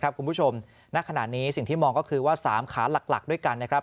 ครับคุณผู้ชมณขณะนี้สิ่งที่มองก็คือว่า๓ขาหลักด้วยกันนะครับ